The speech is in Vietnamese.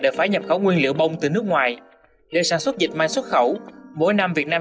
đều phải nhập khẩu nguyên liệu bông từ nước ngoài để sản xuất dịch may xuất khẩu mỗi năm việt nam